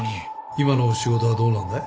今の仕事はどうなんだい？